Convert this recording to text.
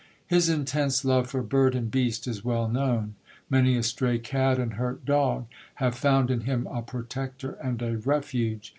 His intense love for bird and beast is well known; many a stray cat and hurt dog have found in him a protector and a refuge.